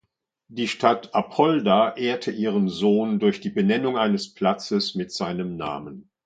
Die Stadt Apolda ehrte ihren Sohn durch die Benennung eines Platzes mit seinem Namen.